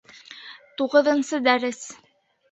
Туғыҙынсы дәрес